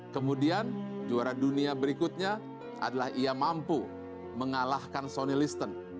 kemudian juara dunia berikutnya adalah ia mampu mengalahkan sonny liston